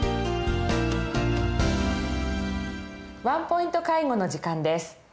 「ワンポイント介護」の時間です。